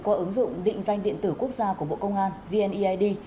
qua ứng dụng định danh điện tử quốc gia của bộ công an vneid